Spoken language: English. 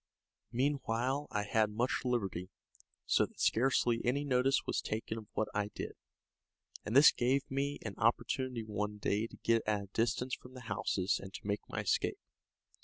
Meanwhile I had much liberty, so that scarcely any notice was taken of what I did, and this gave me an opportunity one day to get at a distance from the houses and to make my escape.